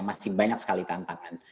masih banyak sekali tantangan